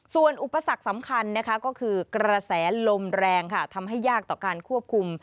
ส่วนอุปสรรคสำคัญนะคะก็คือกระแสลมแรงค่ะทำให้ยากต่อการควบคุม